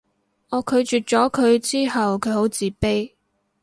我拒絕咗佢之後佢好自卑